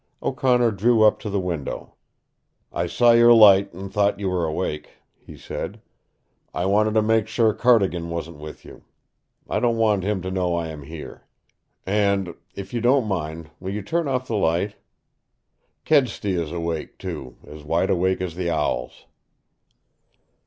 O'Connor drew up to the window. "I saw your light and thought you were awake," he said. "I wanted to make sure Cardigan wasn't with you. I don't want him to know I am here. And if you don't mind will you turn off the light? Kedsty is awake, too as wide awake as the owls."